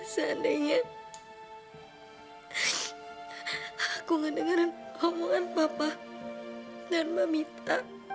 seandainya aku ngedengar omongan papa dan mamita